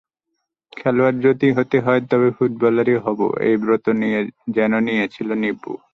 খেলোয়াড় যদি হতে হয়, তবে ফুটবলারই হব—এই ব্রত যেন নিয়েছিল নিপু।